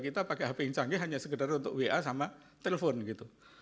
kita pakai hp yang canggih hanya sekedar untuk wa sama telepon gitu